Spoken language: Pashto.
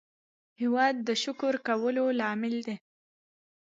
هېواد د شکر کولو لامل دی.